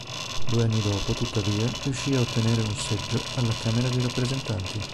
Due anni dopo tuttavia riuscì a ottenere un seggio alla Camera dei Rappresentanti.